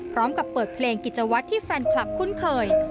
พร้อมกับเปิดเพลงกิจวัตรที่แฟนคลับคุ้นเคย